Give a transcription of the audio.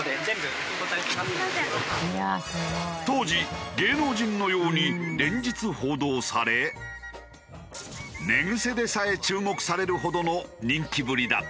当時芸能人のように連日報道され寝癖でさえ注目されるほどの人気ぶりだった。